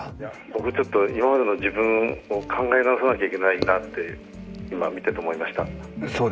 僕ちょっと、今までの自分を考え直さなきゃいけないなって今、見てて思いました。